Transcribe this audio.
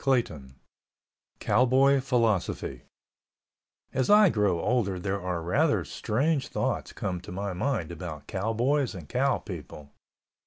CHAPTER XX COWBOY PHILOSOPHY As I grow older there are rather strange thoughts come to my mind about cowboys and cow people.